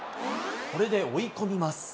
これで追い込みます。